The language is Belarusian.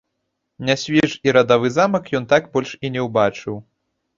Нясвіж і радавы замак ён так больш і не ўбачыў.